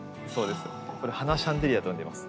「花シャンデリア」と呼んでいます。